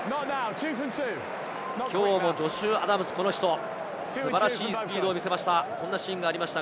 きょうもジョシュ・アダムス、この人、素晴らしいスピードを見せました。